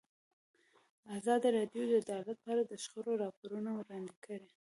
ازادي راډیو د عدالت په اړه د شخړو راپورونه وړاندې کړي.